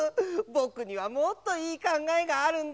ぼくにはもっといいかんがえがあるんだ。